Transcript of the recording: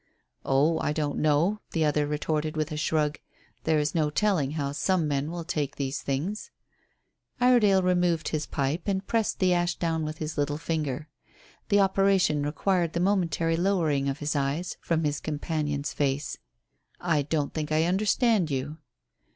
"Oh, I don't know," the other retorted with a shrug. "There is no telling how some men will take these things." Iredale removed his pipe, and pressed the ash down with his little finger. The operation required the momentary lowering of his eyes from his companion's face. "I don't think I understand you."